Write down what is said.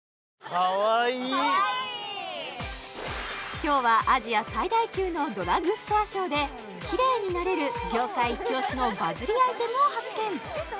今日はアジア最大級のドラッグストアショーでキレイになれる業界イチオシのバズりアイテムを発見